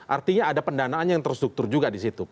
artinya ada pendanaan yang terstruktur juga di situ